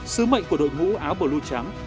sứ mệnh của đội ngũ áo bầu lưu trắng